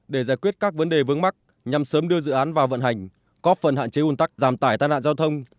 để giải quyết các vấn đề vướng mắc nhằm sớm đưa dự án vào vận hành có phần hạn chế hôn tắc giảm tải tai nạn giao thông